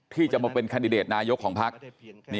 ที่จะมาเป็นแคนดิเดตนายกของพัก